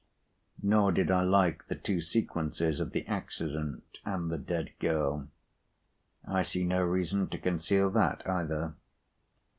Nor, did I like the two sequences of the accident and the dead girl. I see no reason to conceal that, either.